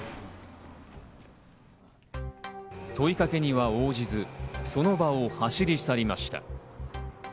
問いかけには応じず、その場を走り去りました。